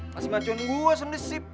masih macuan gue sendesip